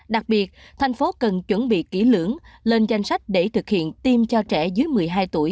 đặc biệt thành phố cần chuẩn bị kỹ lưỡng lên danh sách để thực hiện tiêm cho trẻ dưới một mươi hai tuổi